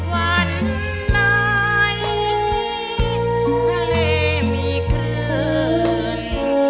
วันไหนทะเลมีคลื่น